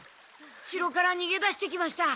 城からにげ出してきました。